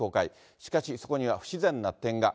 しかしそこには不自然な点が。